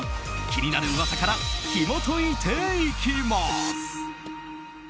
気になる噂からひも解いていきます。